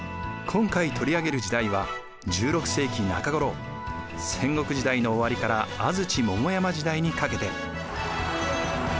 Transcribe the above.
今回取り上げる時代は１６世紀中ごろ戦国時代の終わりから安土桃山時代にかけて。